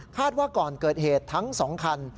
ว่าก่อนเกิดเหตุทั้ง๒คัน